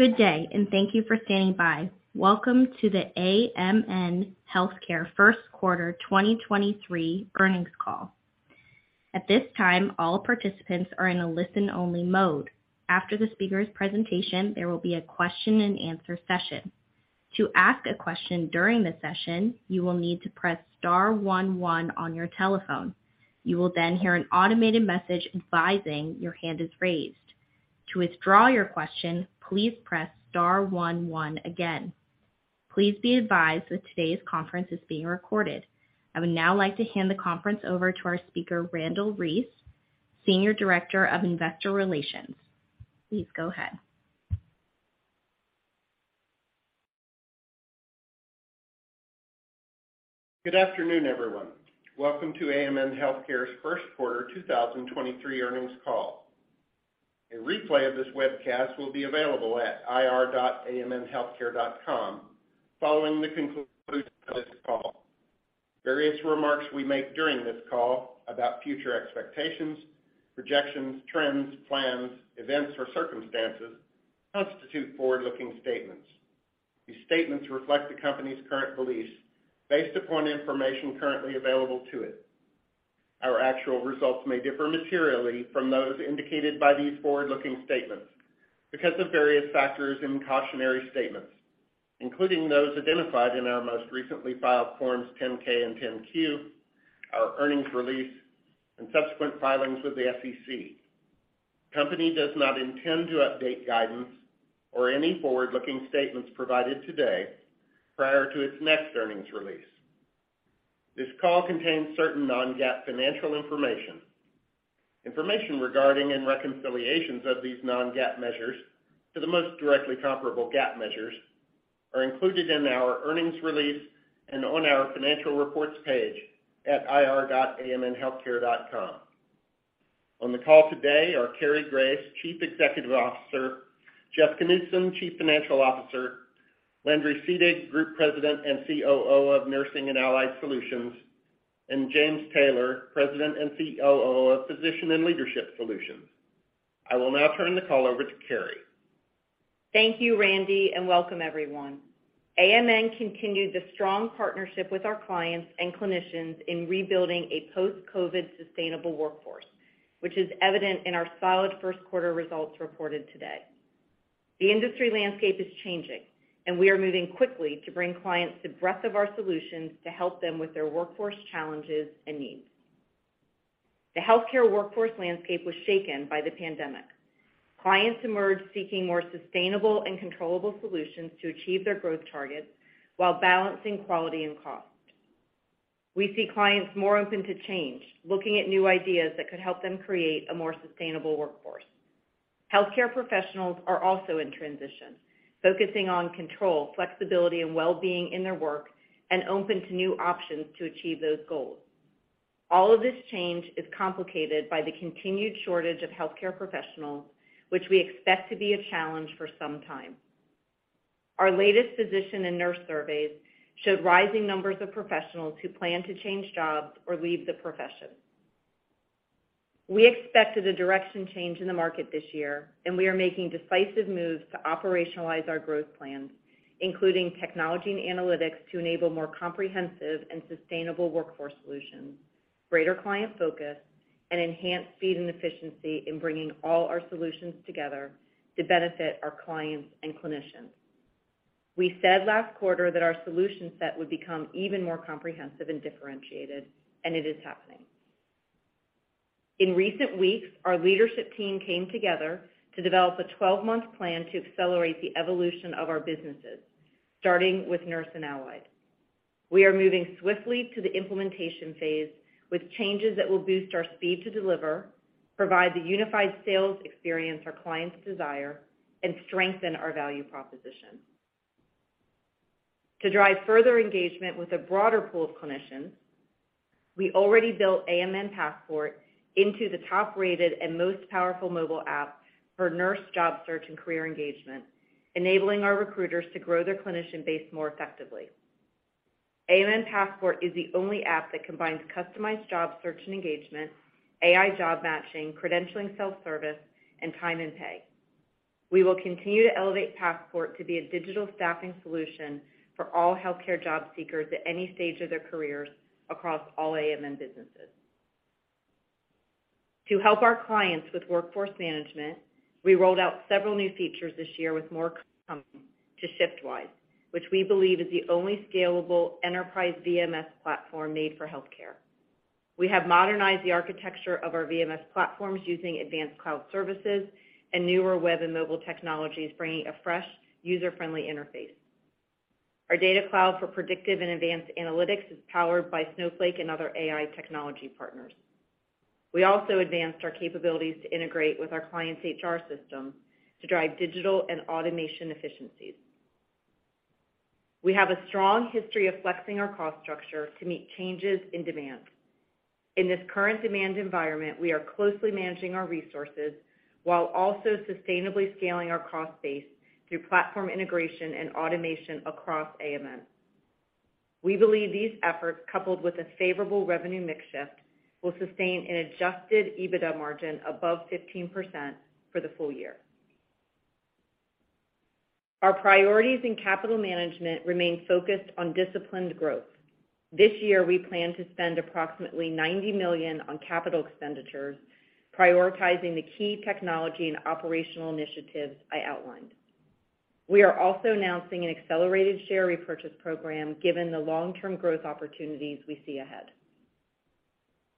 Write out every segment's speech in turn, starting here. Good day. Thank you for standing by. Welcome to the AMN Healthcare First Quarter 2023 Earnings Call. At this time, all participants are in a listen-only mode. After the speaker's presentation, there will be a question-and-answer session. To ask a question during the session, you will need to press star one one on your telephone. You will hear an automated message advising your hand is raised. To withdraw your question, please press star one one again. Please be advised that today's conference is being recorded. I would now like to hand the conference over to our speaker, Randle Reece, Senior Director of Investor Relations. Please go ahead. Good afternoon, everyone. Welcome to AMN Healthcare's First Quarter 2023 earnings call. A replay of this webcast will be available at ir.amnhealthcare.com following the conclusion of this call. Various remarks we make during this call about future expectations, projections, trends, plans, events, or circumstances constitute forward-looking statements. These statements reflect the company's current beliefs based upon information currently available to it. Our actual results may differ materially from those indicated by these forward-looking statements because of various factors and cautionary statements, including those identified in our most recently filed Form 10-K and Form 10-Q, our earnings release, and subsequent filings with the SEC. Company does not intend to update guidance or any forward-looking statements provided today prior to its next earnings release. This call contains certain non-GAAP financial information. Information regarding and reconciliations of these non-GAAP measures to the most directly comparable GAAP measures are included in our earnings release and on our financial reports page at ir.amnhealthcare.com. On the call today are Cary Grace, Chief Executive Officer; Jeff Knudson, Chief Financial Officer; Landry Seedig, Group President and COO of Nurse and Allied Solutions; and James Taylor, President and COO of Physician and Leadership Solutions. I will now turn the call over to Cary. Thank you, Randy. Welcome everyone. AMN continued the strong partnership with our clients and clinicians in rebuilding a post-COVID sustainable workforce, which is evident in our solid first quarter results reported today. The industry landscape is changing. We are moving quickly to bring clients the breadth of our solutions to help them with their workforce challenges and needs. The healthcare workforce landscape was shaken by the pandemic. Clients emerged seeking more sustainable and controllable solutions to achieve their growth targets while balancing quality and cost. We see clients more open to change, looking at new ideas that could help them create a more sustainable workforce. Healthcare professionals are also in transition, focusing on control, flexibility, and well-being in their work and open to new options to achieve those goals. All of this change is complicated by the continued shortage of healthcare professionals, which we expect to be a challenge for some time. Our latest physician and nurse surveys showed rising numbers of professionals who plan to change jobs or leave the profession. We expected a direction change in the market this year. We are making decisive moves to operationalize our growth plans, including technology and analytics to enable more comprehensive and sustainable workforce solutions, greater client focus, and enhanced speed and efficiency in bringing all our solutions together to benefit our clients and clinicians. We said last quarter that our solution set would become even more comprehensive and differentiated. It is happening. In recent weeks, our leadership team came together to develop a 12-month plan to accelerate the evolution of our businesses, starting with Nurse & Allied. We are moving swiftly to the implementation phase with changes that will boost our speed to deliver, provide the unified sales experience our clients desire, and strengthen our value proposition. To drive further engagement with a broader pool of clinicians, we already built AMN Passport into the top-rated and most powerful mobile app for nurse job search and career engagement, enabling our recruiters to grow their clinician base more effectively. AMN Passport is the only app that combines customized job search and engagement, AI job matching, credentialing self-service, and time and pay. We will continue to elevate Passport to be a digital staffing solution for all healthcare job seekers at any stage of their careers across all AMN businesses. To help our clients with workforce management, we rolled out several new features this year with more coming to ShiftWise, which we believe is the only scalable enterprise VMS platform made for healthcare. We have modernized the architecture of our VMS platforms using advanced cloud services and newer web and mobile technologies, bringing a fresh, user-friendly interface. Our data cloud for predictive and advanced analytics is powered by Snowflake and other AI technology partners. We also advanced our capabilities to integrate with our clients' HR systems to drive digital and automation efficiencies. We have a strong history of flexing our cost structure to meet changes in demand. In this current demand environment, we are closely managing our resources while also sustainably scaling our cost base through platform integration and automation across AMN. We believe these efforts, coupled with a favorable revenue mix shift, will sustain an adjusted EBITDA margin above 15% for the full year. Our priorities in capital management remain focused on disciplined growth. This year, we plan to spend approximately $90 million on capital expenditures, prioritizing the key technology and operational initiatives I outlined. We are also announcing an accelerated share repurchase program, given the long-term growth opportunities we see ahead.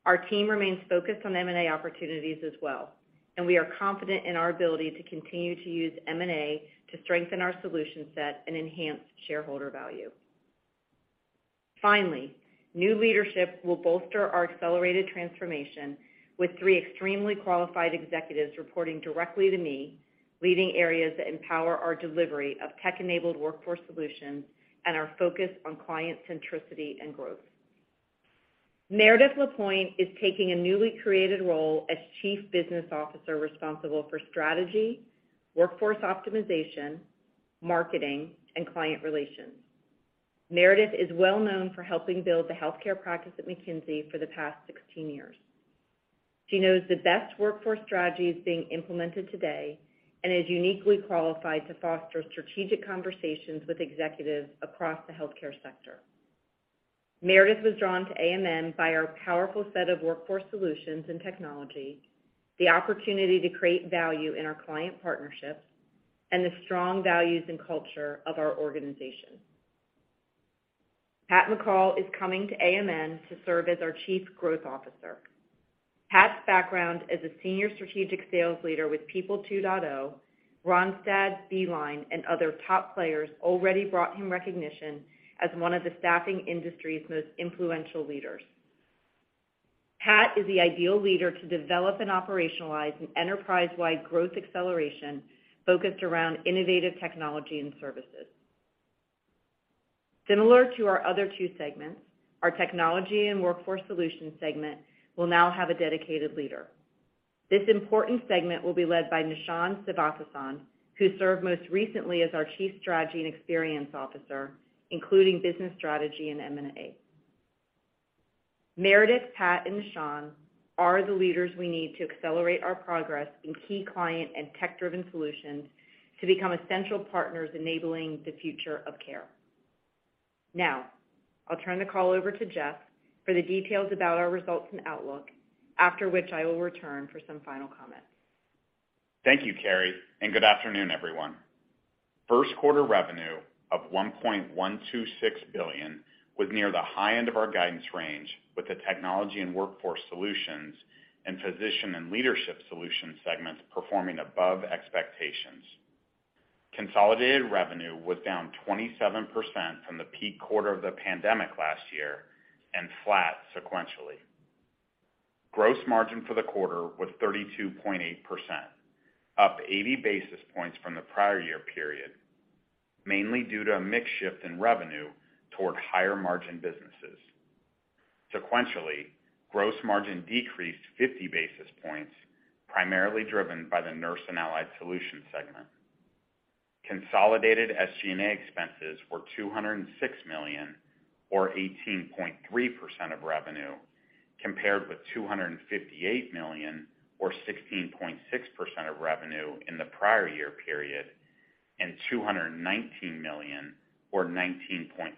Our team remains focused on M&A opportunities as well, and we are confident in our ability to continue to use M&A to strengthen our solution set and enhance shareholder value. Finally, new leadership will bolster our accelerated transformation with three extremely qualified executives reporting directly to me, leading areas that empower our delivery of tech-enabled workforce solutions and our focus on client centricity and growth. Meredith Lapointe is taking a newly created role as Chief Business Officer responsible for strategy, workforce optimization, marketing, and client relations. Meredith is well-known for helping build the healthcare practice at McKinsey for the past 16 years. She knows the best workforce strategies being implemented today and is uniquely qualified to foster strategic conversations with executives across the healthcare sector. Meredith was drawn to AMN by our powerful set of workforce solutions and technology, the opportunity to create value in our client partnerships, and the strong values and culture of our organization. Pat McCall is coming to AMN to serve as our Chief Growth Officer. Pat's background as a senior strategic sales leader with People 2.0, Randstad, Beeline, and other top players already brought him recognition as one of the staffing industry's most influential leaders. Pat is the ideal leader to develop and operationalize an enterprise-wide growth acceleration focused around innovative technology and services. Similar to our other two segments, our Technology and Workforce Solutions segment will now have a dedicated leader. This important segment will be led by Nishan Sivathasan, who served most recently as our Chief Strategy and Experience Officer, including business strategy and M&A. Meredith, Pat, and Nishan are the leaders we need to accelerate our progress in key client and tech-driven solutions to become essential partners enabling the future of care. Now, I'll turn the call over to Jeff for the details about our results and outlook, after which I will return for some final comments. Thank you, Carrie, and good afternoon, everyone. First quarter revenue of $1.126 billion was near the high end of our guidance range with the Technology and Workforce Solutions and Physician and Leadership Solutions segments performing above expectations. Consolidated revenue was down 27% from the peak quarter of the pandemic last year and flat sequentially. Gross margin for the quarter was 32.8%, up 80 basis points from the prior year period, mainly due to a mix shift in revenue toward higher-margin businesses. Sequentially, gross margin decreased 50 basis points, primarily driven by the Nurse and Allied Solutions segment. Consolidated SG&A expenses were $206 million or 18.3% of revenue, compared with $258 million or 16.6% of revenue in the prior year period, and $219 million or 19.5%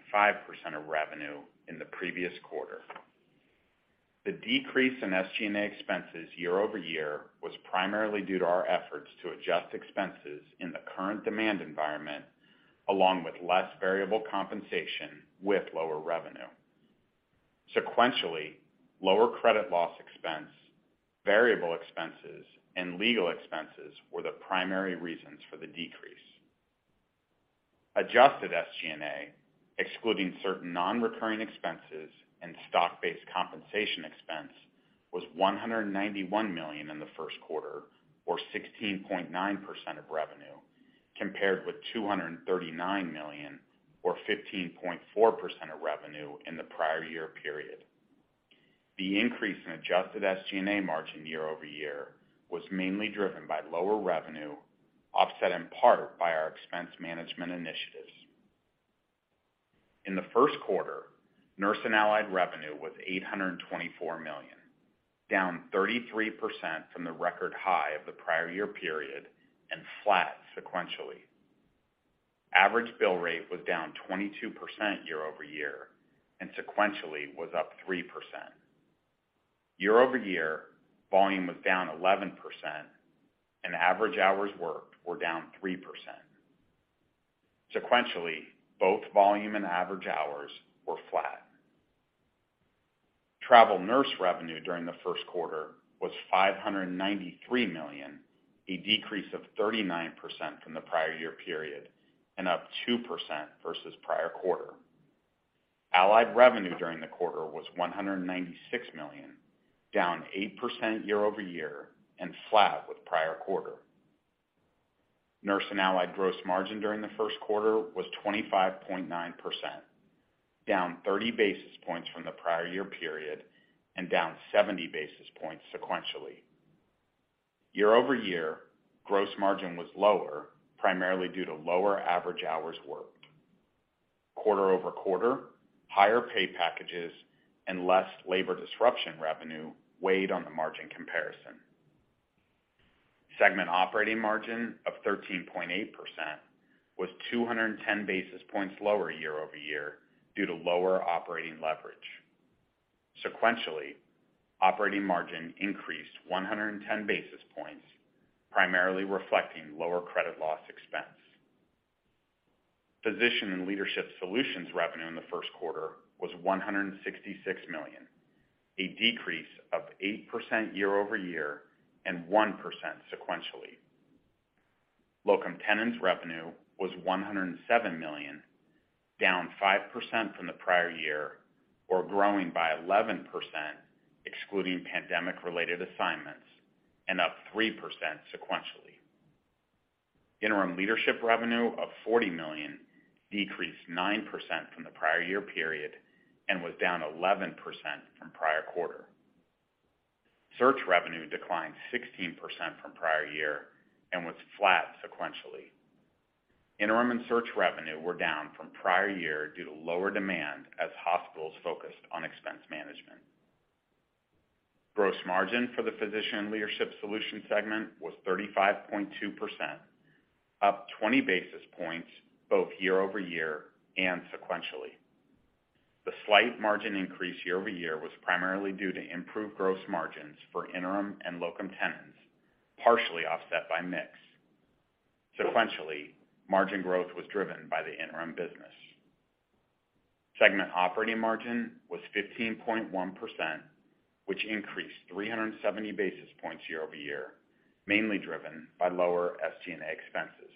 of revenue in the previous quarter. The decrease in SG&A expenses year-over-year was primarily due to our efforts to adjust expenses in the current demand environment, along with less variable compensation with lower revenue. Sequentially, lower credit loss expense, variable expenses, and legal expenses were the primary reasons for the decrease. Adjusted SG&A, excluding certain non-recurring expenses and stock-based compensation expense, was $191 million in the first quarter or 16.9% of revenue, compared with $239 million or 15.4% of revenue in the prior year period. The increase in adjusted SG&A margin year-over-year was mainly driven by lower revenue, offset in part by our expense management initiatives. In the first quarter, nurse and allied revenue was $824 million, down 33% from the record high of the prior year period and flat sequentially. Average bill rate was down 22% year-over-year and sequentially was up 3%. Year-over-year, volume was down 11% and average hours worked were down 3%. Sequentially, both volume and average hours were flat. Travel nurse revenue during the first quarter was $593 million, a decrease of 39% from the prior year period and up 2% versus prior quarter. Allied revenue during the quarter was $196 million, down 8% year-over-year and flat with prior quarter. Nurse and Allied gross margin during the first quarter was 25.9%, down 30 basis points from the prior year period and down 70 basis points sequentially. Year-over-year, gross margin was lower, primarily due to lower average hours worked. Quarter-over-quarter, higher pay packages and less labor disruption revenue weighed on the margin comparison. Segment operating margin of 13.8% was 210 basis points lower year-over-year due to lower operating leverage. Sequentially, operating margin increased 110 basis points, primarily reflecting lower credit loss expense. Physician and Leadership Solutions revenue in the first quarter was $166 million, a decrease of 8% year-over-year and 1% sequentially. Locum tenens revenue was $107 million, down 5% from the prior year, or growing by 11% excluding pandemic-related assignments and up 3% sequentially. Interim leadership revenue of $40 million decreased 9% from the prior year period and was down 11% from prior quarter. Search revenue declined 16% from prior year and was flat sequentially. Interim and search revenue were down from prior year due to lower demand as hospitals focused on expense management. Gross margin for the Physician Leadership Solution segment was 35.2%, up 20 basis points both year-over-year and sequentially. The slight margin increase year-over-year was primarily due to improved gross margins for interim and locum tenens, partially offset by mix. Sequentially, margin growth was driven by the interim business. Segment operating margin was 15.1%, which increased 370 basis points year-over-year, mainly driven by lower SG&A expenses.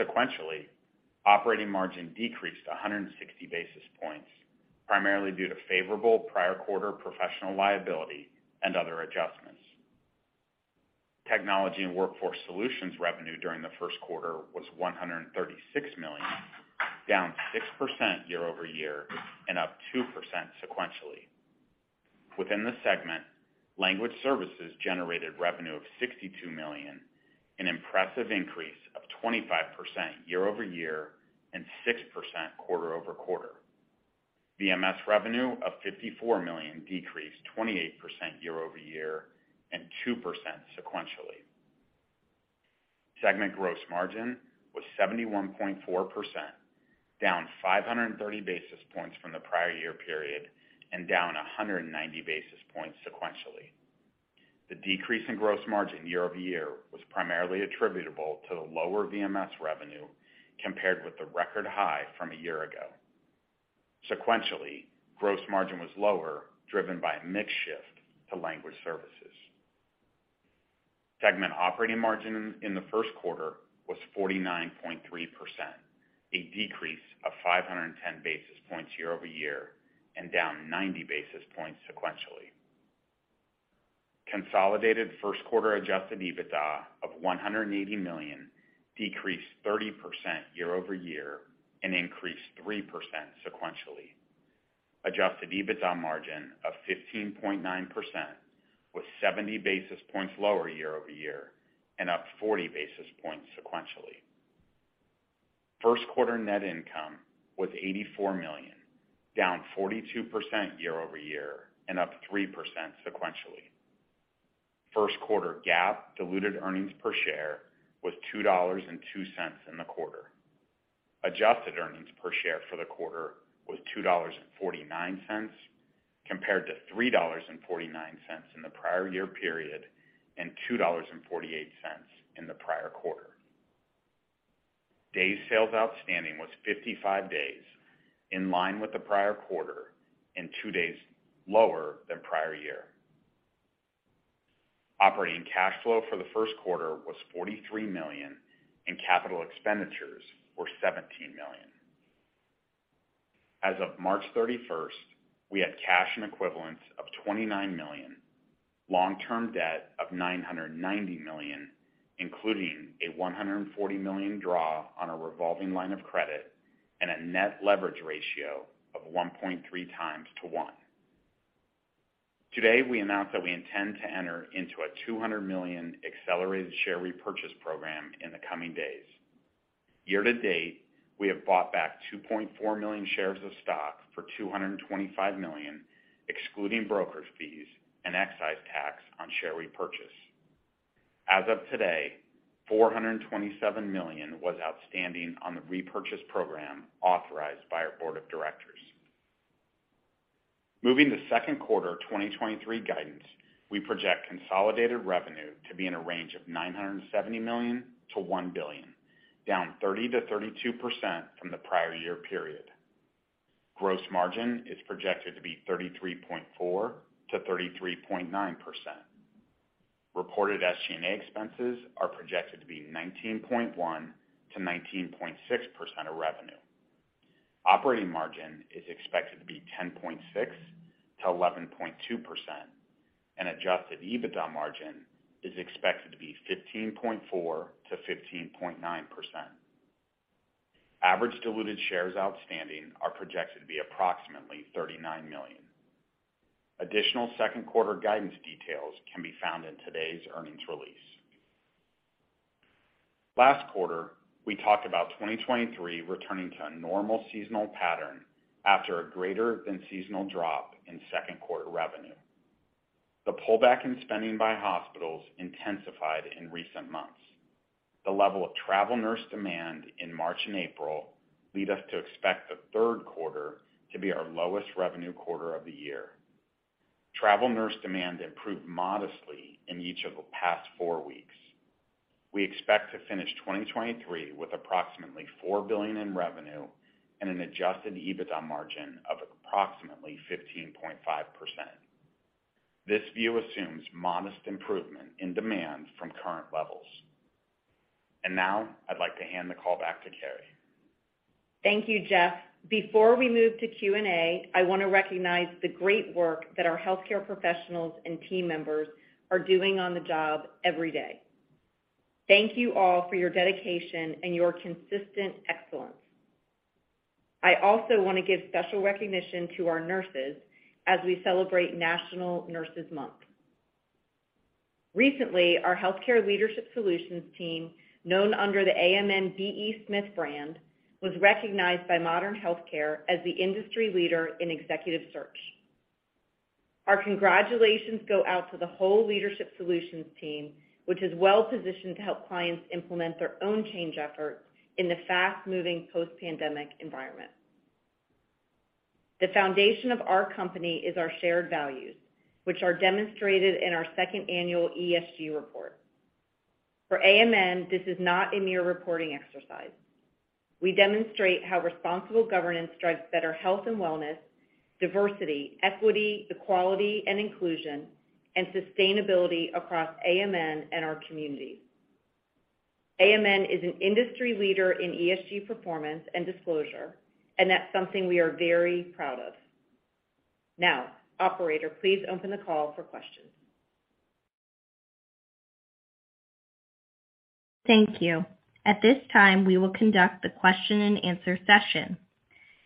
Sequentially, operating margin decreased 160 basis points, primarily due to favorable prior quarter professional liability and other adjustments. Technology and Workforce Solutions revenue during the first quarter was $136 million, down 6% year-over-year and up 2% sequentially. Within the segment, Language Services generated revenue of $62 million, an impressive increase of 25% year-over-year and 6% quarter-over-quarter. VMS revenue of $54 million decreased 28% year-over-year and 2% sequentially. Segment gross margin was 71.4%, down 530 basis points from the prior year period and down 190 basis points sequentially. The decrease in gross margin year over year was primarily attributable to the lower VMS revenue compared with the record high from a year ago. Sequentially, gross margin was lower, driven by a mix shift to Language Services. Segment operating margin in the first quarter was 49.3%, a decrease of 510 basis points year over year and down 90 basis points sequentially. Consolidated first quarter adjusted EBITDA of $180 million decreased 30% year over year and increased 3% sequentially. Adjusted EBITDA margin of 15.9% was 70 basis points lower year over year and up 40 basis points sequentially. First quarter net income was $84 million, down 42% year over year and up 3% sequentially. First quarter GAAP diluted earnings per share was $2.02 in the quarter. Adjusted earnings per share for the quarter was $2.49, compared to $3.49 in the prior year period and $2.48 in the prior quarter. Days sales outstanding was 55 days, in line with the prior quarter and two days lower than prior year. Operating cash flow for the first quarter was $43 million, and capital expenditures were $17 million. As of March 31st, we had cash and equivalents of $29 million, long-term debt of $990 million, including a $140 million draw on a revolving line of credit and a net leverage ratio of 1.3x to 1. Today, we announce that we intend to enter into a $200 million accelerated share repurchase program in the coming days. Year to date, we have bought back 2.4 million shares of stock for $225 million, excluding brokerage fees and excise tax on share repurchase. As of today, $427 million was outstanding on the repurchase program authorized by our board of directors. Moving to second quarter 2023 guidance, we project consolidated revenue to be in a range of $970 million-$1 billion, down 30%-32% from the prior year period. Gross margin is projected to be 33.4%-33.9%. Reported SG&A expenses are projected to be 19.1%-19.6% of revenue. Operating margin is expected to be 10.6%-11.2%, and adjusted EBITDA margin is expected to be 15.4%-15.9%. Average diluted shares outstanding are projected to be approximately 39 million. Additional second quarter guidance details can be found in today's earnings release. Last quarter, we talked about 2023 returning to a normal seasonal pattern after a greater than seasonal drop in second quarter revenue. The pullback in spending by hospitals intensified in recent months. The level of travel nurse demand in March and April lead us to expect the third quarter to be our lowest revenue quarter of the year. Travel nurse demand improved modestly in each of the past four weeks. We expect to finish 2023 with approximately $4 billion in revenue and an adjusted EBITDA margin of approximately 15.5%. This view assumes modest improvement in demand from current levels. Now I'd like to hand the call back to Cary. Thank you, Jeff. Before we move to Q&A, I want to recognize the great work that our healthcare professionals and team members are doing on the job every day. Thank you all for your dedication and your consistent excellence. I also want to give special recognition to our nurses as we celebrate National Nurses Month. Recently, our healthcare leadership solutions team, known under the AMN B.E. Smith brand, was recognized by Modern Healthcare as the industry leader in executive search. Our congratulations go out to the whole leadership solutions team, which is well-positioned to help clients implement their own change efforts in the fast-moving post-pandemic environment. The foundation of our company is our shared values, which are demonstrated in our second annual ESG report. For AMN, this is not a mere reporting exercise. We demonstrate how responsible governance drives better health and wellness, diversity, equity, equality, and inclusion, and sustainability across AMN and our communities. AMN is an industry leader in ESG performance and disclosure, and that's something we are very proud of. Now, operator, please open the call for questions. Thank you. At this time, we will conduct the question-and-answer session.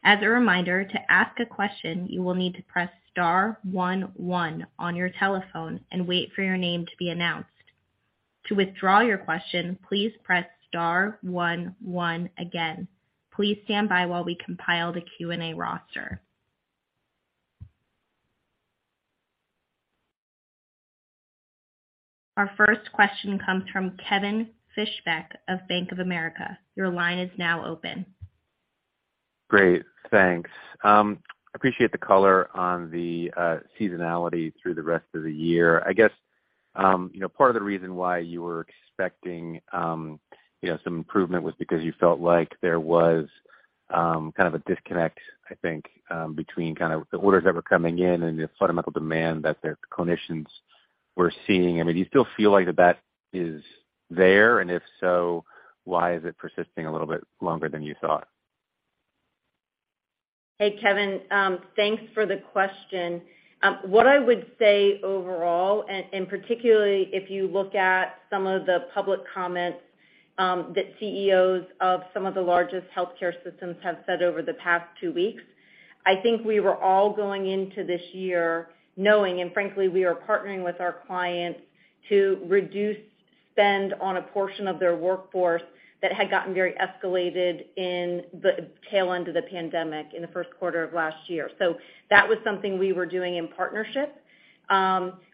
As a reminder, to ask a question, you will need to press star one one on your telephone and wait for your name to be announced. To withdraw your question, please press star one one again. Please stand by while we compile the Q&A roster. Our first question comes from Kevin Fischbeck of Bank of America. Your line is now open. Great. Thanks. Appreciate the color on the seasonality through the rest of the year. I guess, you know, part of the reason why you were expecting, you know, some improvement was because you felt like there was, kind of a disconnect, I think, between kind of the orders that were coming in and the fundamental demand that their clinicians were seeing. I mean, do you still feel like that is there? If so, why is it persisting a little bit longer than you thought? Hey, Kevin, thanks for the question. What I would say overall, and particularly if you look at some of the public comments, that CEOs of some of the largest healthcare systems have said over the past two weeks, I think we were all going into this year knowing, and frankly, we are partnering with our clients to reduce spend on a portion of their workforce that had gotten very escalated in the tail end of the pandemic in the first quarter of last year. That was something we were doing in partnership.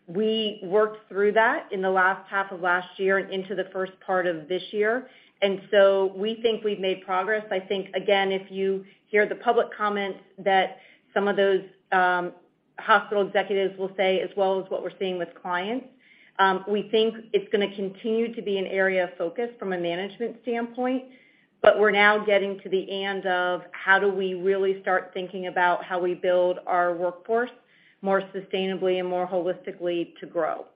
We worked through that in the last half of last year and into the first part of this year. We think we've made progress. I think, again, if you hear the public comments that some of those, hospital executives will say, as well as what we're seeing with clients, we think it's gonna continue to be an area of focus from a management standpoint, but we're now getting to the end of how do we really start thinking about how we build our workforce more sustainably and more holistically to grow.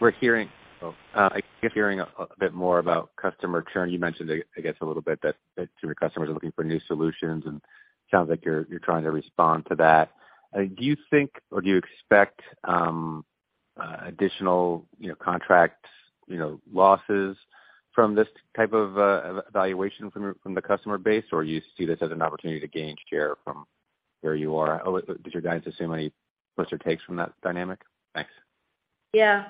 We're hearing, I keep hearing a bit more about customer churn. You mentioned it, I guess, a little bit that some of your customers are looking for new solutions, and sounds like you're trying to respond to that. Do you think or do you expect additional, you know, contracts, you know, losses from this type of evaluation from the customer base, or you see this as an opportunity to gain share from where you are? Or did your guys assume any risks or takes from that dynamic? Thanks. Yeah.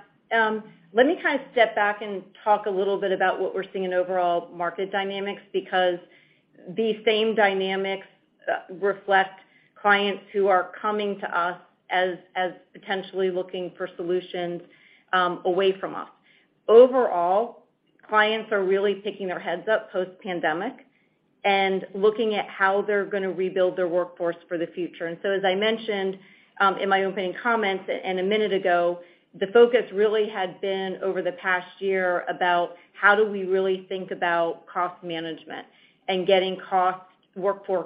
Let me kinda step back and talk a little bit about what we're seeing in overall market dynamics because the same dynamics reflect clients who are coming to us as potentially looking for solutions away from us. Overall, clients are really picking their heads up post-pandemic and looking at how they're gonna rebuild their workforce for the future. As I mentioned, in my opening comments and a minute ago, the focus really had been over the past year about how do we really think about cost management and getting workforce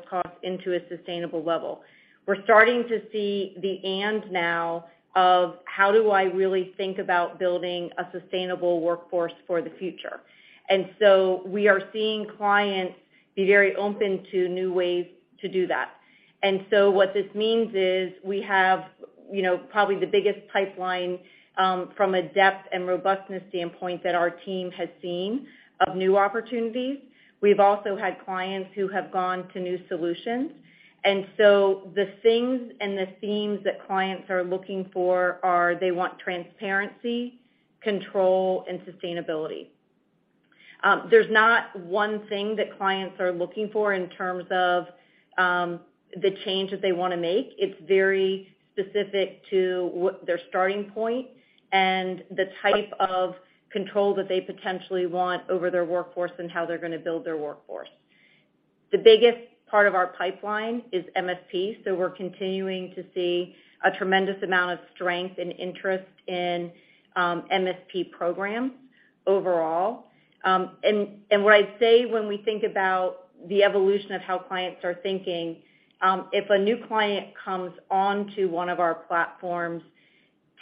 costs into a sustainable level. We're starting to see the and now of how do I really think about building a sustainable workforce for the future. We are seeing clients be very open to new ways to do that. What this means is we have, you know, probably the biggest pipeline from a depth and robustness standpoint that our team has seen of new opportunities. We've also had clients who have gone to new solutions. The things and the themes that clients are looking for are they want transparency, control, and sustainability. There's not one thing that clients are looking for in terms of the change that they wanna make. It's very specific to their starting point and the type of control that they potentially want over their workforce and how they're gonna build their workforce. The biggest part of our pipeline is MSP, so we're continuing to see a tremendous amount of strength and interest in MSP programs overall. What I'd say when we think about the evolution of how clients are thinking, if a new client comes onto one of our platforms,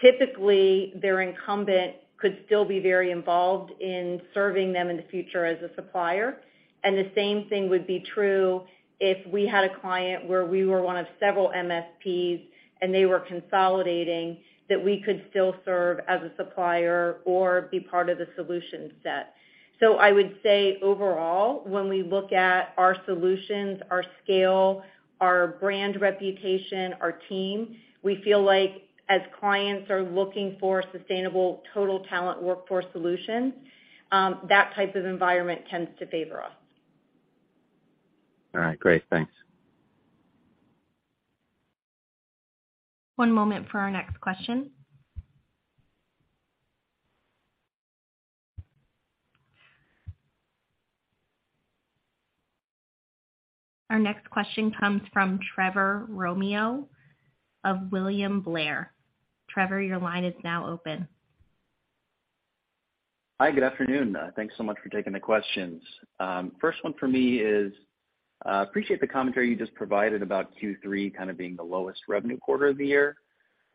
typically, their incumbent could still be very involved in serving them in the future as a supplier. The same thing would be true if we had a client where we were one of several MSPs and they were consolidating, that we could still serve as a supplier or be part of the solution set. I would say overall, when we look at our solutions, our scale, our brand reputation, our team, we feel like as clients are looking for sustainable total talent workforce solutions, that type of environment tends to favor us. All right. Great. Thanks. One moment for our next question. Our next question comes from Trevor Romeo of William Blair. Trevor, your line is now open. Hi. Good afternoon. Thanks so much for taking the questions. First one for me is, appreciate the commentary you just provided about Q3 kind of being the lowest revenue quarter of the year.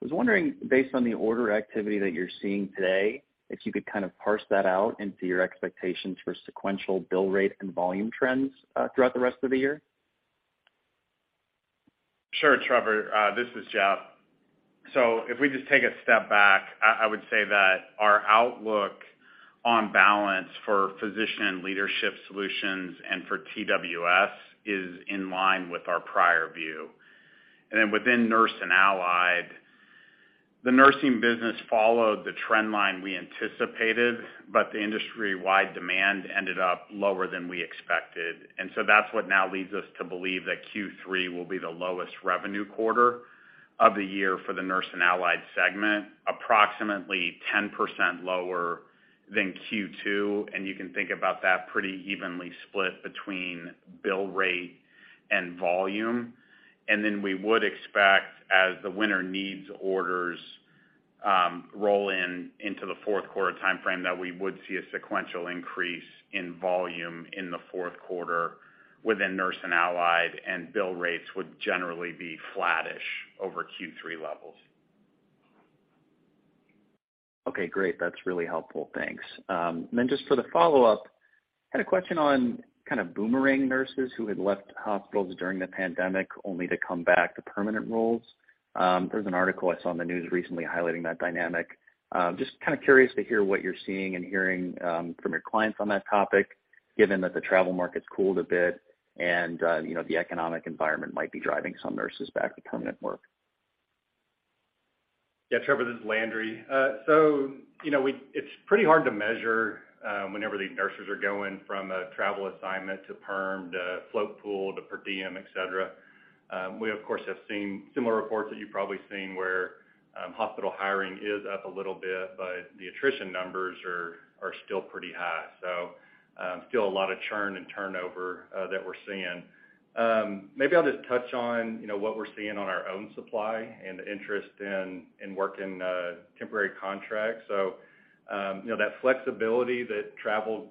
I was wondering, based on the order activity that you're seeing today, if you could kind of parse that out into your expectations for sequential bill rate and volume trends, throughout the rest of the year. Sure, Trevor. This is Jeff. If we just take a step back, I would say that our outlook on balance for Physician Leadership Solutions and for TWS is in line with our prior view. Within Nurse and Allied, the nursing business followed the trend line we anticipated, but the industry-wide demand ended up lower than we expected. That's what now leads us to believe that Q3 will be the lowest revenue quarter of the year for the Nurse and Allied segment, approximately 10% lower than Q2, and you can think about that pretty evenly split between bill rate and volume. We would expect as the winter needs orders roll in into the fourth quarter timeframe, that we would see a sequential increase in volume in the fourth quarter within Nurse and Allied, and bill rates would generally be flattish over Q3 levels. Okay. Great. That's really helpful. Thanks. Just for the follow-up, I had a question on kind of boomerang nurses who had left hospitals during the pandemic only to come back to permanent roles. There's an article I saw on the news recently highlighting that dynamic. Just kind of curious to hear what you're seeing and hearing, from your clients on that topic, given that the travel market's cooled a bit and, you know, the economic environment might be driving some nurses back to permanent work. Yeah. Trevor, this is Landry. You know, It's pretty hard to measure whenever these nurses are going from a travel assignment to perm to float pool to per diem, et cetera. We, of course, have seen similar reports that you've probably seen where hospital hiring is up a little bit, but the attrition numbers are still pretty high. Still a lot of churn and turnover that we're seeing. Maybe I'll just touch on, you know, what we're seeing on our own supply and the interest in working temporary contracts. You know, that flexibility that travel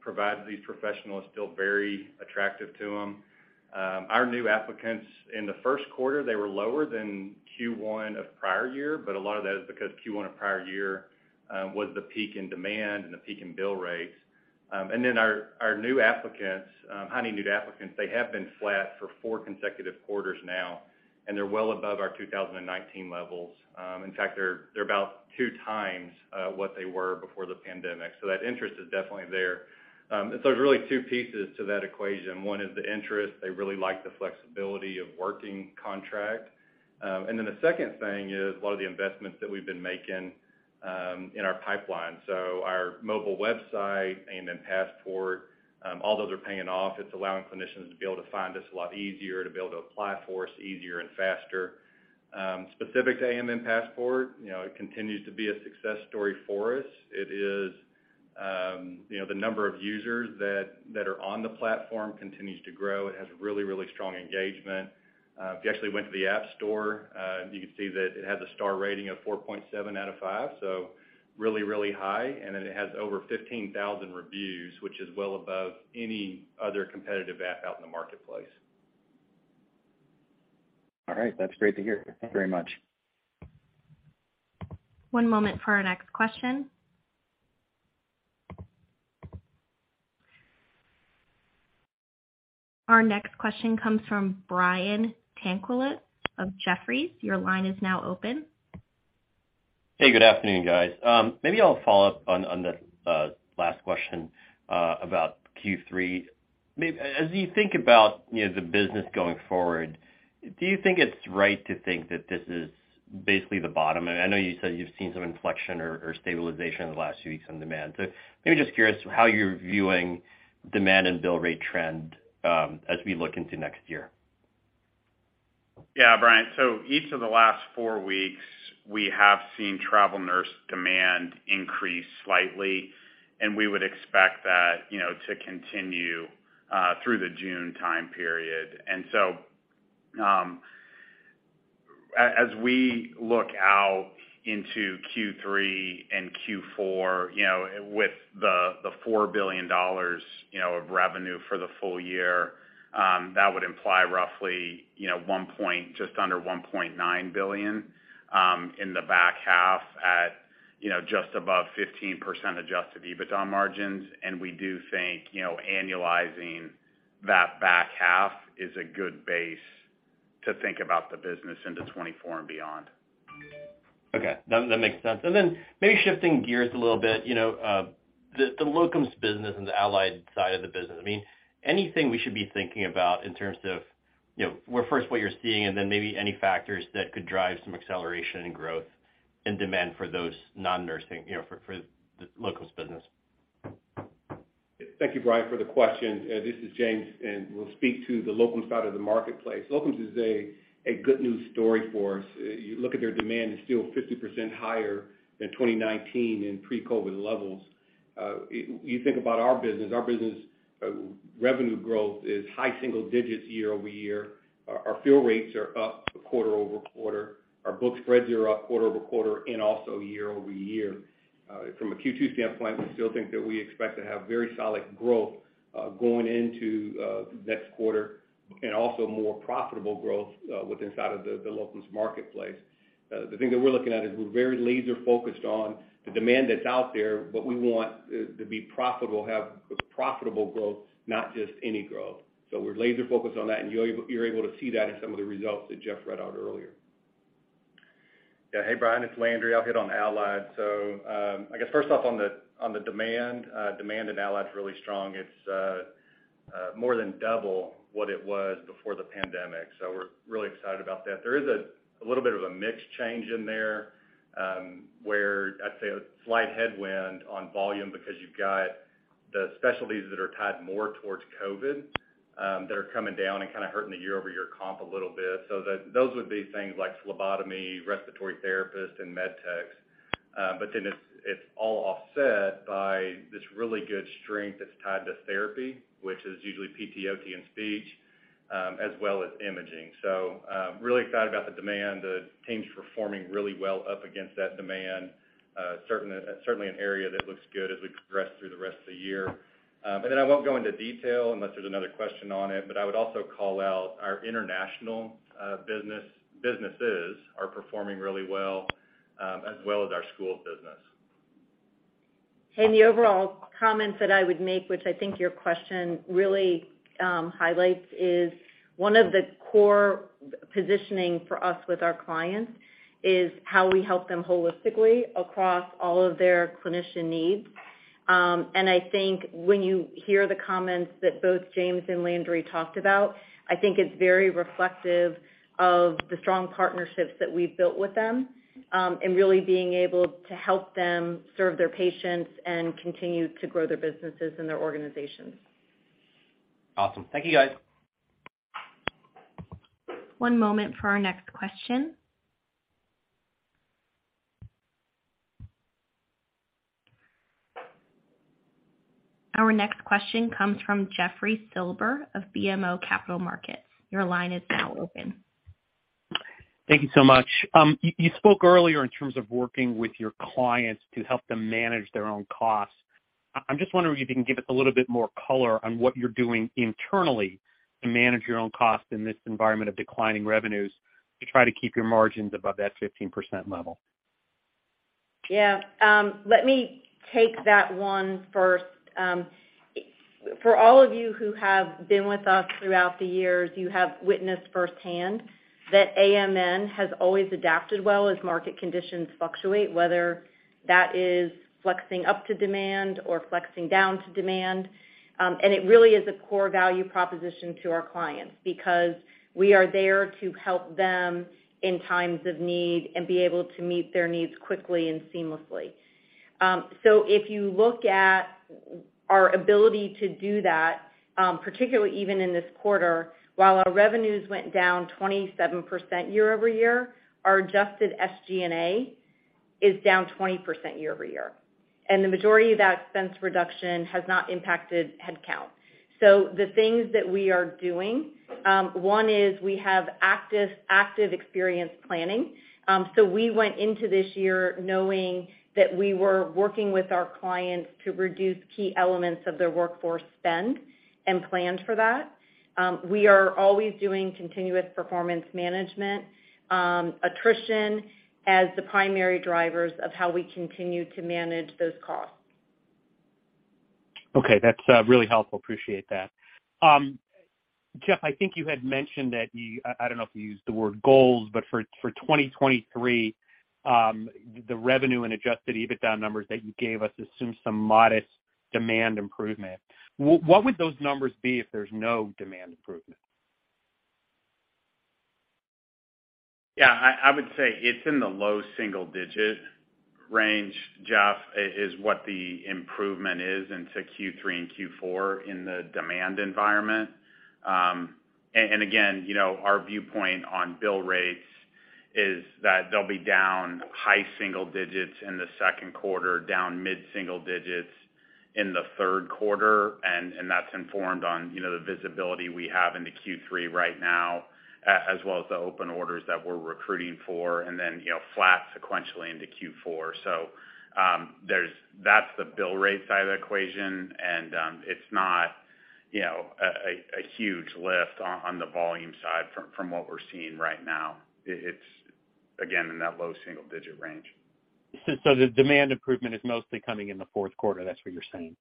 provides these professionals feel very attractive to them. Our new applicants in the first quarter, they were lower than Q1 of prior year, but a lot of that is because Q1 of prior year was the peak in demand and the peak in bill rates. Our new applicants, hunting new applicants, they have been flat for four consecutive quarters now, and they're well above our 2019 levels. In fact, they're about 2x what they were before the pandemic. That interest is definitely there. There's really 2 pieces to that equation. One is the interest. They really like the flexibility of working contract. The second thing is a lot of the investments that we've been making in our pipeline. Our mobile website, AMN Passport, all those are paying off. It's allowing clinicians to be able to find us a lot easier, to be able to apply for us easier and faster. Specific to AMN Passport, you know, it continues to be a success story for us. It is, you know, the number of users that are on the platform continues to grow. It has really strong engagement. If you actually went to the App Store, you could see that it has a star rating of 4.7 out of 5, so really high. It has over 15,000 reviews, which is well above any other competitive app out in the marketplace. All right, that's great to hear. Thank you very much. One moment for our next question. Our next question comes from Brian Tanquilut of Jefferies. Your line is now open. Hey, good afternoon, guys. Maybe I'll follow up on the last question about Q3. As you think about, you know, the business going forward, do you think it's right to think that this is basically the bottom? I know you said you've seen some inflection or stabilization in the last few weeks on demand. Maybe just curious how you're viewing demand and bill rate trend as we look into next year? Yeah, Brian. Each of the last four weeks, we have seen travel nurse demand increase slightly, and we would expect that, you know, to continue through the June time period. As we look out into Q3 and Q4, you know, with the $4 billion, you know, of revenue for the full year, that would imply roughly, you know, just under $1.9 billion in the back half at, you know, just above 15% adjusted EBITDA margins. We do think, you know, annualizing that back half is a good base to think about the business into 2024 and beyond. Okay, that makes sense. Then maybe shifting gears a little bit, you know, the locums business and the allied side of the business. I mean, anything we should be thinking about in terms of, you know, where first what you're seeing and then maybe any factors that could drive some acceleration and growth and demand for those non-nursing, you know, for the locums business? Thank you, Brian, for the question. This is James. We'll speak to the locum side of the marketplace. Locums is a good news story for us. You look at their demand is still 50% higher than 2019 in pre-COVID levels. You think about our business, our business revenue growth is high single digits year-over-year. Our fill rates are up quarter-over-quarter. Our book spreads are up quarter-over-quarter and also year-over-year. From a Q2 standpoint, we still think that we expect to have very solid growth going into next quarter and also more profitable growth with inside of the locums marketplace. The thing that we're looking at is we're very laser-focused on the demand that's out there. We want to be profitable, have profitable growth, not just any growth. We're laser-focused on that, and you're able to see that in some of the results that Jeff read out earlier. Yeah. Hey, Brian, it's Landry. I'll hit on allied. I guess first off on the demand in allied is really strong. It's more than double what it was before the pandemic. We're really excited about that. There is a little bit of a mix change in there, where I'd say a slight headwind on volume because you've got the specialties that are tied more towards COVID that are coming down and kinda hurting the year-over-year comp a little bit. Those would be things like phlebotomy, respiratory therapist, and med techs. It's all offset by this really good strength that's tied to therapy, which is usually PT, OT, and speech, as well as imaging. Really excited about the demand. The team's performing really well up against that demand, certainly an area that looks good as we progress through the rest of the year. I won't go into detail unless there's another question on it, but I would also call out our international businesses are performing really well, as well as our school of business. The overall comments that I would make, which I think your question really highlights, is one of the core positioning for us with our clients is how we help them holistically across all of their clinician needs. I think when you hear the comments that both James and Landry talked about, I think it's very reflective of the strong partnerships that we've built with them, and really being able to help them serve their patients and continue to grow their businesses and their organizations. Awesome. Thank you, guys. One moment for our next question. Our next question comes from Jeffrey Silber of BMO Capital Markets. Your line is now open. Thank you so much. You spoke earlier in terms of working with your clients to help them manage their own costs. I'm just wondering if you can give us a little bit more color on what you're doing internally to manage your own costs in this environment of declining revenues to try to keep your margins above that 15% level. Yeah. Let me take that one first. For all of you who have been with us throughout the years, you have witnessed firsthand that AMN has always adapted well as market conditions fluctuate, whether that is flexing up to demand or flexing down to demand. It really is a core value proposition to our clients because we are there to help them in times of need and be able to meet their needs quickly and seamlessly. If you look at our ability to do that, particularly even in this quarter, while our revenues went down 27% year-over-year, our adjusted SG&A is down 20% year-over-year. The majority of that expense reduction has not impacted headcount. The things that we are doing, one is we have active experience planning. We went into this year knowing that we were working with our clients to reduce key elements of their workforce spend and planned for that. We are always doing continuous performance management, attrition as the primary drivers of how we continue to manage those costs. Okay. That's really helpful. Appreciate that. Jeff, I think you had mentioned that you, I don't know if you used the word goals, but for 2023, the revenue and adjusted EBITDA numbers that you gave us assumes some modest demand improvement. What would those numbers be if there's no demand improvement? Yeah, I would say it's in the low single-digit range, Jeff, is what the improvement is into Q3 and Q4 in the demand environment. Again, you know, our viewpoint on bill rates is that they'll be down high single-digits in the second quarter, down mid-single-digits in the third quarter, and that's informed on, you know, the visibility we have into Q3 right now, as well as the open orders that we're recruiting for, and then, you know, flat sequentially into Q4. That's the bill rate side of the equation. It's not, you know, a huge lift on the volume side from what we're seeing right now. It's again, in that low single-digit range. The demand improvement is mostly coming in the fourth quarter. That's what you're saying.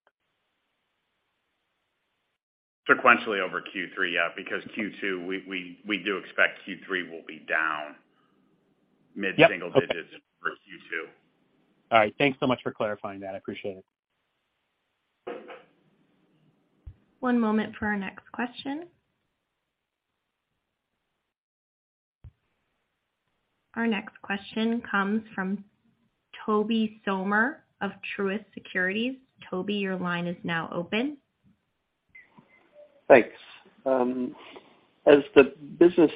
Sequentially over Q3, yeah, because Q2, we do expect Q3 will be down mid-single digits. Yep. Okay. -For Q2. All right. Thanks so much for clarifying that. I appreciate it. One moment for our next question. Our next question comes from Tobey Sommer of Truist Securities. Toby, your line is now open. Thanks. As the business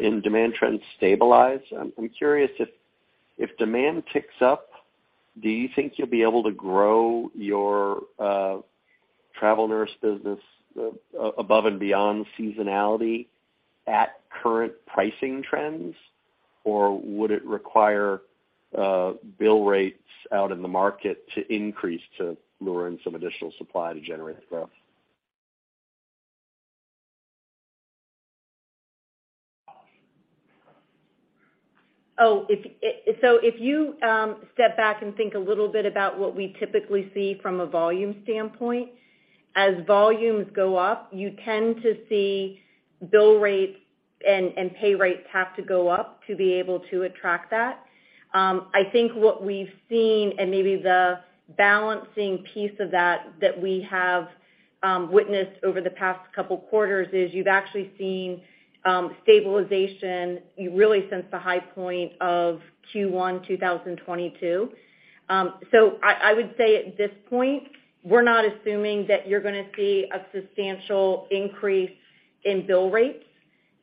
in demand trends stabilize, I'm curious if demand ticks up, do you think you'll be able to grow your travel nurse business above and beyond seasonality at current pricing trends? Would it require bill rates out in the market to increase to lure in some additional supply to generate the growth? If you step back and think a little bit about what we typically see from a volume standpoint, as volumes go up, you tend to see bill rates and pay rates have to go up to be able to attract that. I think what we've seen and maybe the balancing piece of that we have witnessed over the past couple quarters is you've actually seen stabilization really since the high point of Q1 2022. So I would say at this point, we're not assuming that you're gonna see a substantial increase in bill rates.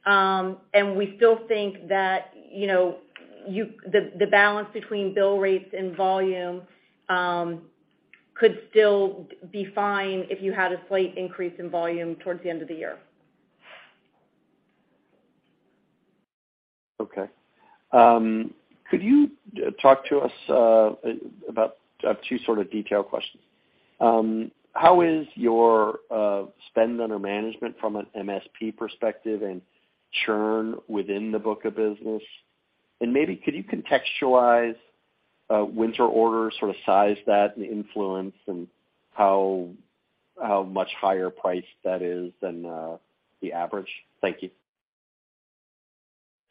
We still think that, you know, the balance between bill rates and volume, could still be fine if you had a slight increase in volume towards the end of the year. Okay. Could you talk to us about two sort of detail questions? How is your spend under management from an MSP perspective and churn within the book of business? Maybe could you contextualize winter orders, sort of size that and the influence and how much higher priced that is than the average? Thank you.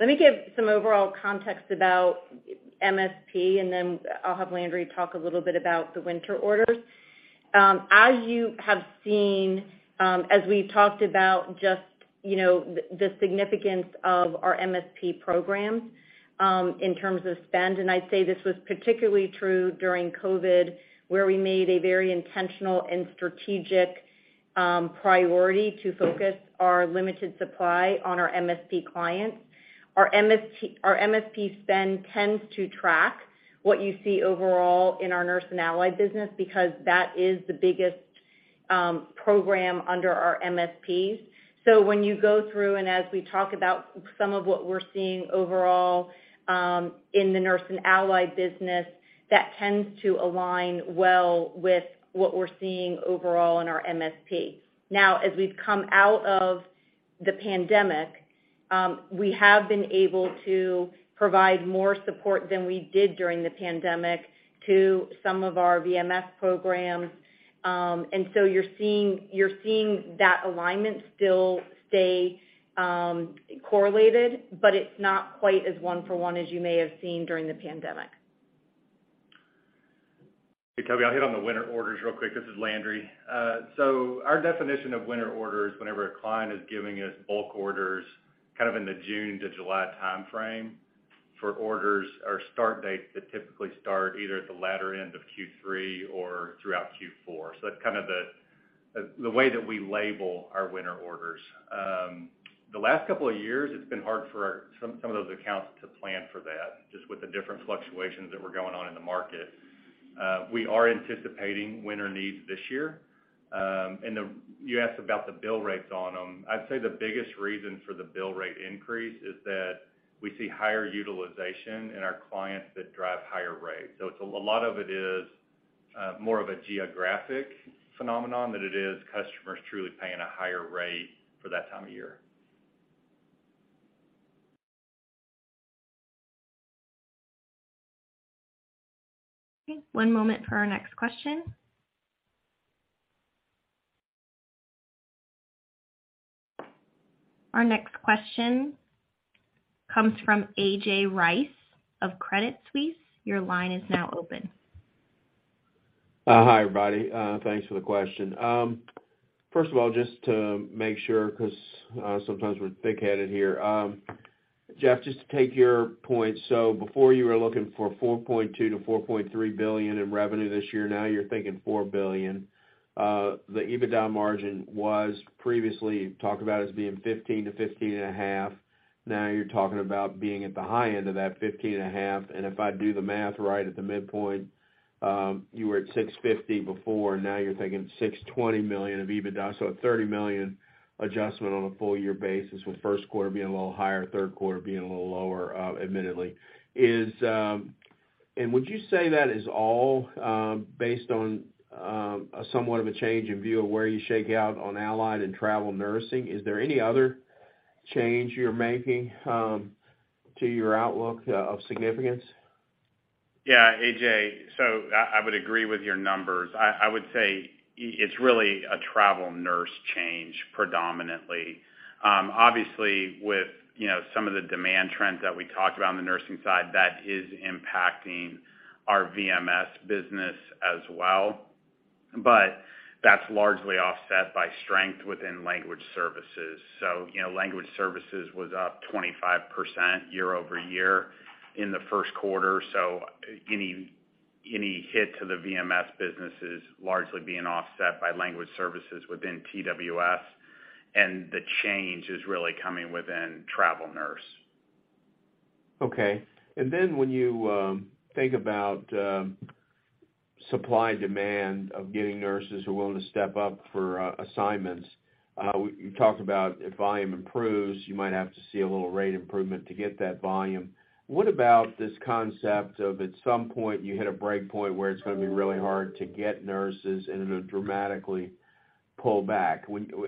Let me give some overall context about MSP, and then I'll have Landry talk a little bit about the winter orders. As you have seen, as we've talked about just, you know, the significance of our MSP program, in terms of spend, and I'd say this was particularly true during COVID, where we made a very intentional and strategic, priority to focus our limited supply on our MSP clients. Our MSP spend tends to track what you see overall in our Nurse and Allied business because that is the biggest, program under our MSPs. When you go through and as we talk about some of what we're seeing overall, in the Nurse and Allied business, that tends to align well with what we're seeing overall in our MSP. Now, as we've come out of the pandemic, we have been able to provide more support than we did during the pandemic to some of our VMS programs. You're seeing that alignment still stay correlated, but it's not quite as one for one as you may have seen during the pandemic. Hey, Tobey, I'll hit on the winter orders real quick. This is Landry. Our definition of winter orders, whenever a client is giving us bulk orders, kind of in the June to July timeframe for orders or start dates that typically start either at the latter end of Q3 or throughout Q4. That's kind of the The way that we label our winter orders. The last couple of years, it's been hard for some of those accounts to plan for that, just with the different fluctuations that were going on in the market. We are anticipating winter needs this year. You asked about the bill rates on them. I'd say the biggest reason for the bill rate increase is that we see higher utilization in our clients that drive higher rates. It's a lot of it is more of a geographic phenomenon than it is customers truly paying a higher rate for that time of year. Okay, one moment for our next question. Our next question comes from AJ Rice of Credit Suisse. Your line is now open. Hi, everybody. Thanks for the question. First of all, just to make sure, because sometimes we're thick-headed here. Jeff, just to take your point, before you were looking for $4.2 billion-$4.3 billion in revenue this year, now you're thinking $4 billion. The EBITDA margin was previously talked about as being 15%-15.5%. Now you're talking about being at the high end of that 15.5%. If I do the math right at the midpoint, you were at $650 million before, now you're thinking $620 million of EBITDA. A $30 million adjustment on a full year basis, with first quarter being a little higher, third quarter being a little lower, admittedly. Would you say that is all based on somewhat of a change in view of where you shake out on allied and travel nursing? Is there any other change you're making to your outlook of significance? Yeah, A.J. I would agree with your numbers. I would say it's really a travel nurse change predominantly. Obviously, with, you know, some of the demand trends that we talked about on the nursing side, that is impacting our VMS business as well. But that's largely offset by strength within Language Services. You know, Language Services was up 25% year-over-year in the first quarter. Any hit to the VMS business is largely being offset by Language Services within TWS, and the change is really coming within travel nurse. When you think about supply and demand of getting nurses who are willing to step up for assignments, you talked about if volume improves, you might have to see a little rate improvement to get that volume. What about this concept of, at some point, you hit a break point where it's gonna be really hard to get nurses and it'll dramatically pull back.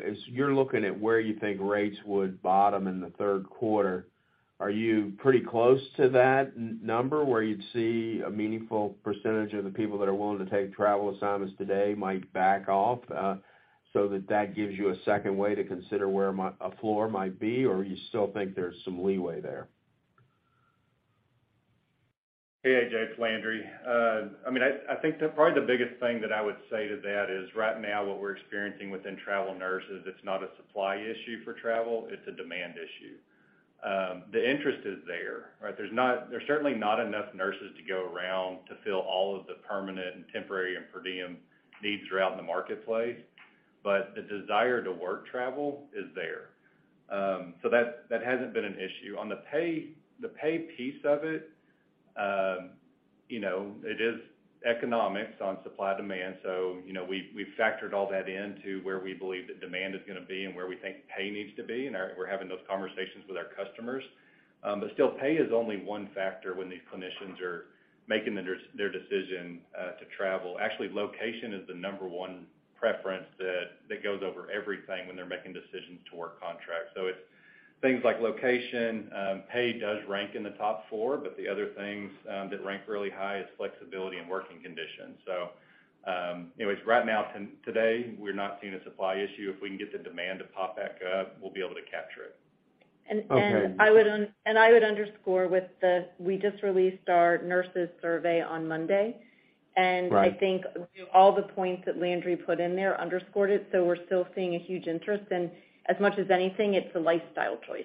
As you're looking at where you think rates would bottom in the third quarter, are you pretty close to that number where you'd see a meaningful percentage of the people that are willing to take travel assignments today might back off, so that that gives you a second way to consider where a floor might be, or you still think there's some leeway there? Hey, A.J., it's Landry. I mean, I think probably the biggest thing that I would say to that is right now what we're experiencing within travel nurses, it's not a supply issue for travel, it's a demand issue. The interest is there, right? There's certainly not enough nurses to go around to fill all of the permanent and temporary and per diem needs throughout the marketplace. The desire to work travel is there. That hasn't been an issue. On the pay piece of it, you know, it is economics on supply demand. You know, we've factored all that in to where we believe the demand is gonna be and where we think pay needs to be, and we're having those conversations with our customers. Still, pay is only 1 factor when these clinicians are making their decision to travel. Actually, location is the number 1 preference that goes over everything when they're making decisions to work contracts. It's things like location, pay does rank in the top 4, but the other things that rank really high is flexibility and working conditions. Anyways, right now, today, we're not seeing a supply issue. If we can get the demand to pop back up, we'll be able to capture it. Okay. I would underscore with the, we just released our nurses survey on Monday. Right. I think all the points that Landry put in there underscored it. We're still seeing a huge interest. As much as anything, it's a lifestyle choice.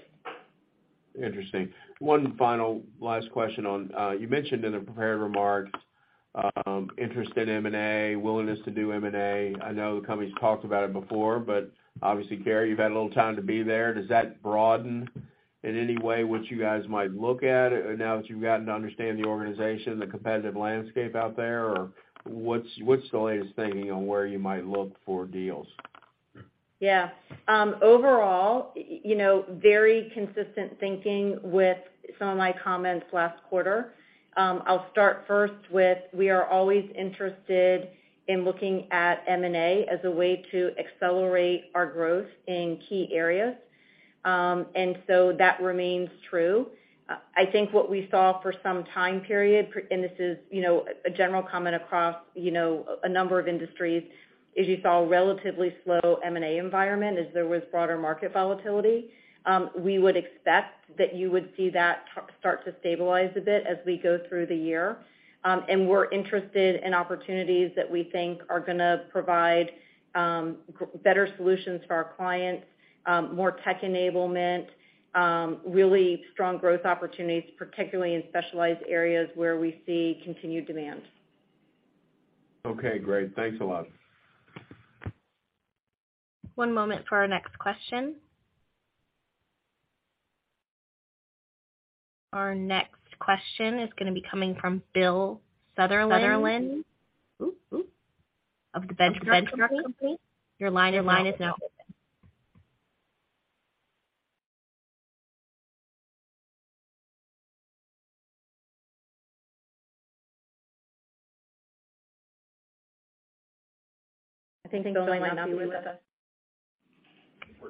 Interesting. One final last question on, you mentioned in the prepared remarks, interest in M&A, willingness to do M&A. I know the company's talked about it before, but obviously, Cary, you've had a little time to be there. Does that broaden in any way what you guys might look at now that you've gotten to understand the organization, the competitive landscape out there, or what's the latest thinking on where you might look for deals? Yeah. Overall, you know, very consistent thinking with some of my comments last quarter. I'll start first with, we are always interested in looking at M&A as a way to accelerate our growth in key areas. That remains true. I think what we saw for some time period, and this is, you know, a general comment across, you know, a number of industries, is you saw a relatively slow M&A environment as there was broader market volatility. We would expect that you would see that start to stabilize a bit as we go through the year. We're interested in opportunities that we think are gonna provide, better solutions for our clients, more tech enablement, really strong growth opportunities, particularly in specialized areas where we see continued demand. Okay, great. Thanks a lot. One moment for our next question. Our next question is gonna be coming from Bill Sutherland of The Benchmark Company. Your line is now open. I think Bill might not be with us.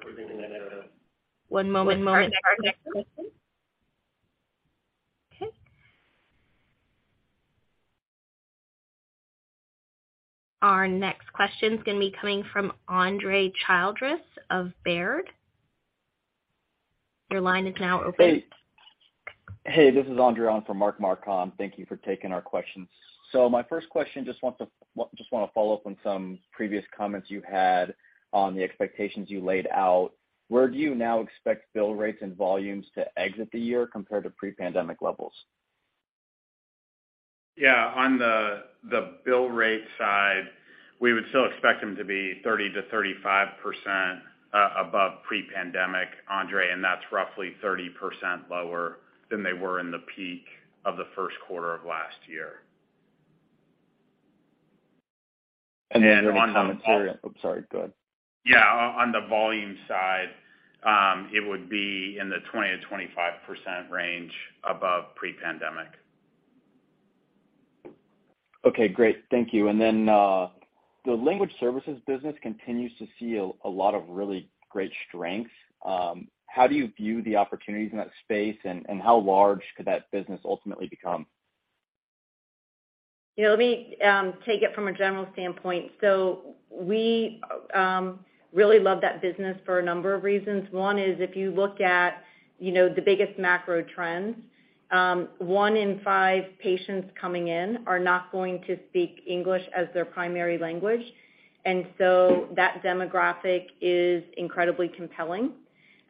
We're bringing that out. One moment. Our next question. Okay. Our next question is gonna be coming from Andre Childress of Baird. Your line is now open. Hey. This is Andre on for Mark Marcon. Thank you for taking our questions. My first question, just wanna follow up on some previous comments you had on the expectations you laid out. Where do you now expect bill rates and volumes to exit the year compared to pre-pandemic levels? On the bill rate side, we would still expect them to be 30%-35% above pre-pandemic, Andre, and that's roughly 30% lower than they were in the peak of the first quarter of last year. Any commentary- on the- Oh, sorry. Go ahead. On the volume side, it would be in the 20%-25% range above pre-pandemic. Okay, great. Thank you. The Language Services business continues to see a lot of really great strengths. How do you view the opportunities in that space, and how large could that business ultimately become? Yeah. Let me take it from a general standpoint. We really love that business for a number of reasons. One is if you look at, you know, the biggest macro trends, one in five patients coming in are not going to speak English as their primary language. That demographic is incredibly compelling.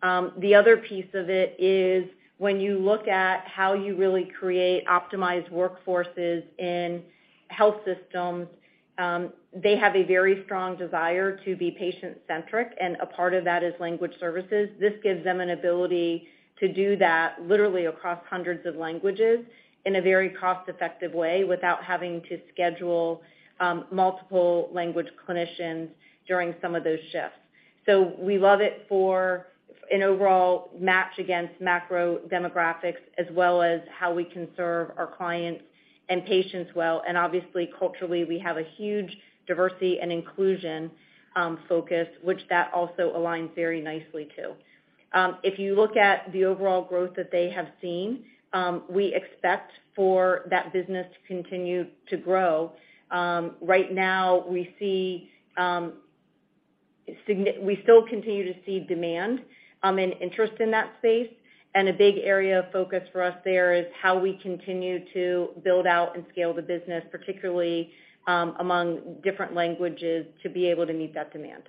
The other piece of it is when you look at how you really create optimized workforces in health systems, they have a very strong desire to be patient-centric, and a part of that is language services. This gives them an ability to do that literally across hundreds of languages in a very cost-effective way without having to schedule multiple language clinicians during some of those shifts. We love it for an overall match against macro demographics as well as how we can serve our clients and patients well, and obviously, culturally, we have a huge diversity and inclusion focus, which that also aligns very nicely too. If you look at the overall growth that they have seen, we expect for that business to continue to grow. Right now, we see, we still continue to see demand and interest in that space. A big area of focus for us there is how we continue to build out and scale the business, particularly, among different languages, to be able to meet that demand.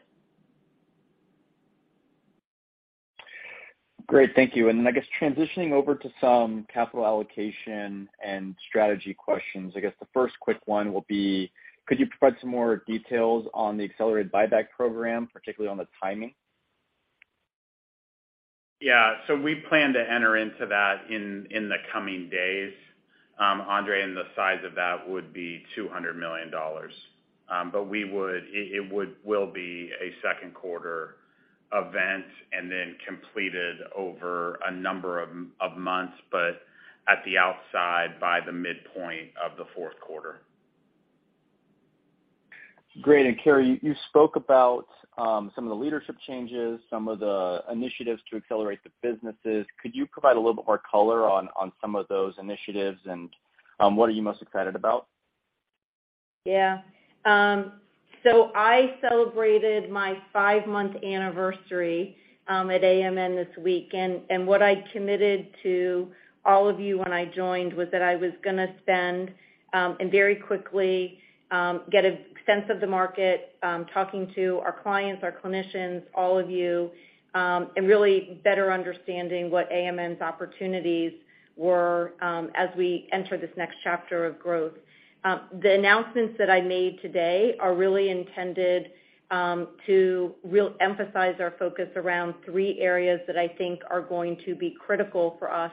Great. Thank you. I guess transitioning over to some capital allocation and strategy questions. I guess the first quick one will be, could you provide some more details on the accelerated buyback program, particularly on the timing? Yeah. We plan to enter into that in the coming days, Andre, the size of that would be $200 million. It will be a second quarter event then completed over a number of months, at the outside, by the midpoint of the fourth quarter. Great. Cary, you spoke about some of the leadership changes, some of the initiatives to accelerate the businesses. Could you provide a little bit more color on some of those initiatives and what are you most excited about? Yeah. I celebrated my five-month anniversary at AMN this week. What I committed to all of you when I joined was that I was gonna spend and very quickly get a sense of the market, talking to our clients, our clinicians, all of you, and really better understanding what AMN's opportunities were as we enter this next chapter of growth. The announcements that I made today are really intended to really emphasize our focus around three areas that I think are going to be critical for us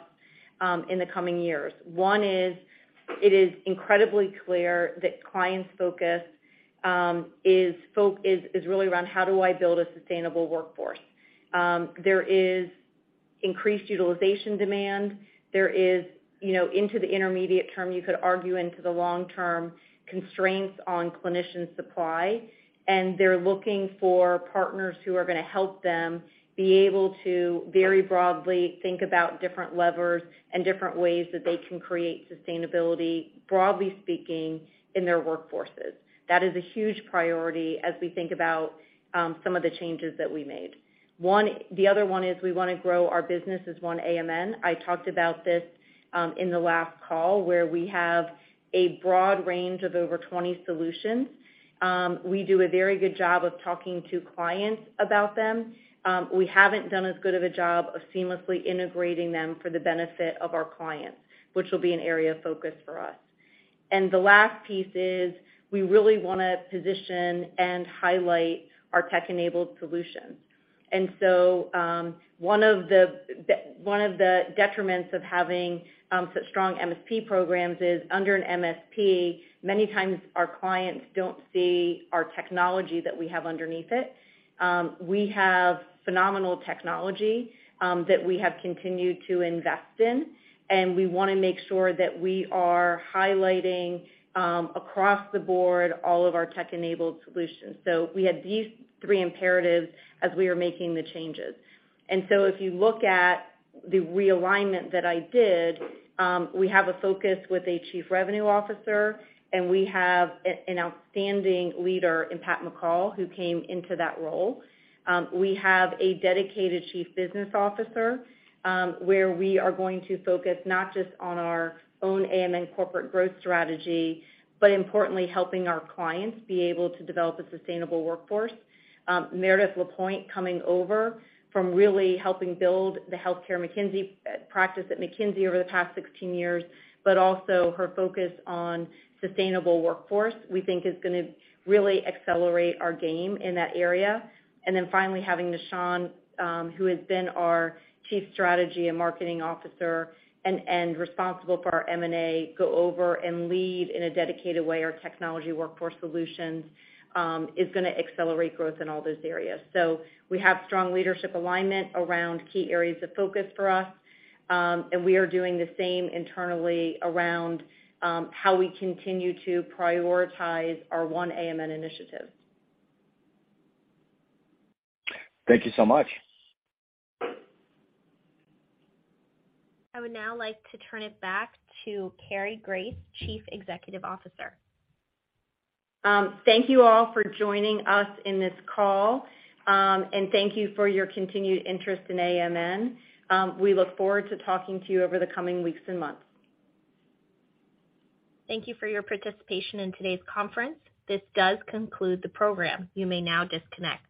in the coming years. One is it is incredibly clear that clients' focus is really around how do I build a sustainable workforce? There is increased utilization demand. There is, you know, into the intermediate term, you could argue into the long-term constraints on clinician supply. They're looking for partners who are gonna help them be able to very broadly think about different levers and different ways that they can create sustainability, broadly speaking, in their workforces. That is a huge priority as we think about some of the changes that we made. The other one is we wanna grow our business as One AMN. I talked about this in the last call, where we have a broad range of over 20 solutions. We do a very good job of talking to clients about them. We haven't done as good of a job of seamlessly integrating them for the benefit of our clients, which will be an area of focus for us. The last piece is we really wanna position and highlight our tech-enabled solutions. One of the detriments of having such strong MSP programs is under an MSP, many times our clients don't see our technology that we have underneath it. We have phenomenal technology that we have continued to invest in, and we wanna make sure that we are highlighting across the board, all of our tech-enabled solutions. We had these three imperatives as we were making the changes. If you look at the realignment that I did, we have a focus with a Chief Revenue Officer, and we have an outstanding leader in Patrick McCall, who came into that role. We have a dedicated Chief Business Officer, where we are going to focus not just on our own AMN corporate growth strategy, but importantly, helping our clients be able to develop a sustainable workforce. Meredith Lapointe coming over from really helping build the healthcare McKinsey practice at McKinsey over the past 16 years, but also her focus on sustainable workforce, we think is gonna really accelerate our game in that area. Finally, having Nishan, who has been our chief strategy and marketing officer and responsible for our M&A, go over and lead in a dedicated way, our Technology and Workforce Solutions, is gonna accelerate growth in all those areas. We have strong leadership alignment around key areas of focus for us. We are doing the same internally around how we continue to prioritize our One AMN initiative. Thank you so much. I would now like to turn it back to Cary Grace, Chief Executive Officer. Thank you all for joining us in this call, and thank you for your continued interest in AMN. We look forward to talking to you over the coming weeks and months. Thank you for your participation in today's conference. This does conclude the program. You may now disconnect.